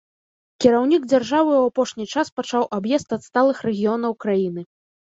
Кіраўнік дзяржавы ў апошні час пачаў аб'езд адсталых рэгіёнаў краіны.